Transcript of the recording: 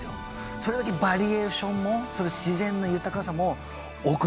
それだけバリエーションも自然の豊かさも奥深いんで。